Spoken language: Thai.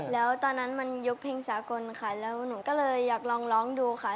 แล้วตอนนั้นมันยกเพลงสากลค่ะแล้วหนูก็เลยอยากลองร้องดูค่ะ